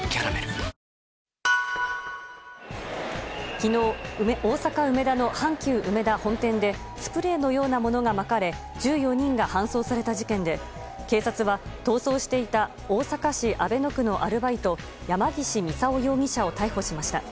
昨日、大阪・梅田の阪急うめだ本店でスプレーのようなものがまかれ１４人が搬送された事件で警察は、逃走していた大阪市阿倍野区のアルバイト山岸操容疑者を逮捕しました。